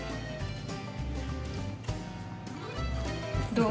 どう？